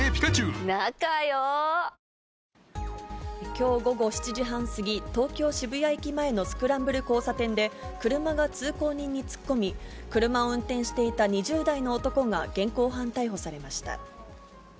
きょう午後７時半過ぎ、東京・渋谷駅前のスクランブル交差点で、車が通行人に突っ込み、車を運転していた２０代の男が現行犯逮捕されました。